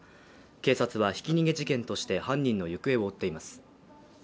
警察はひき逃げ事件として犯人の行方を追っています。